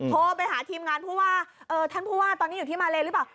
โทรไปหาทีมงานผู้ว่าท่านผู้ว่าตอนนี้อยู่ที่มาเลหรือเปล่า